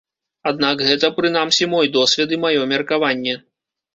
Аднак гэта, прынамсі, мой досвед і маё меркаванне.